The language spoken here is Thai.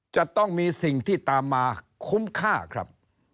จะต้องมีสิ่งที่ตามมาคุ้มค่าครับ